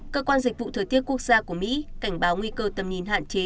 cơ quan dịch vụ thời tiết quốc gia của mỹ cảnh báo nguy cơ tầm nhìn hạn chế